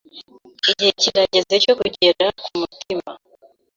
Igihe kirageze cyo kugera kumutima